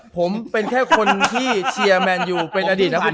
ผมเป็นแค่คนที่เชียร์แมนยูเป็นอดีตนะคุณ